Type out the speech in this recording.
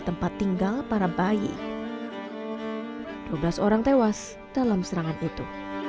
tempat tinggal para bayi dua belas orang tewas dalam serangan itu